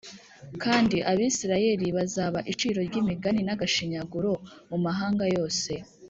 Kandi Abisirayeli bazaba iciro ry’imigani n’agashinyaguro mu mahanga yose,